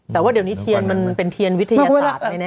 แต่ว่าเดี๋ยวนี้เทียนมันเป็นเทียนวิทยาศาสตร์แน่